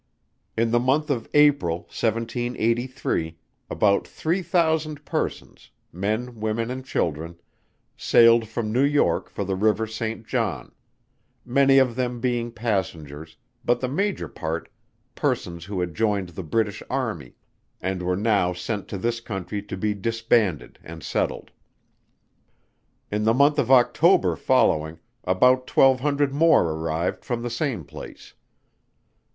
In the month of April, 1783, about three thousand persons, men, women, and children, sailed from New York for the River Saint John; many of them being passengers, but the major part persons who had joined the British army, and were now sent to this Country to be disbanded and settled. In the month of October following, about twelve hundred more arrived from the same place.